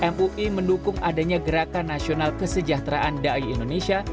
mui mendukung adanya gerakan nasional kesejahteraan dai indonesia